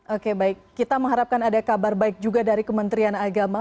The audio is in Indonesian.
oke baik kita mengharapkan ada kabar baik juga dari kementerian agama